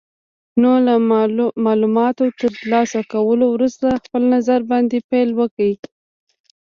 نو له مالوماتو تر لاسه کولو وروسته خپل نظر باندې پیل وکړئ.